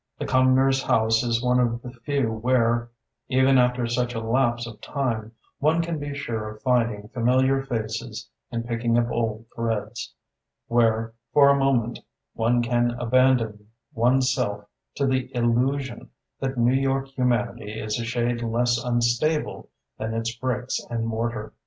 The Cumnors' house is one of the few where, even after such a lapse of time, one can be sure of finding familiar faces and picking up old threads; where for a moment one can abandon one's self to the illusion that New York humanity is a shade less unstable than its bricks and mortar.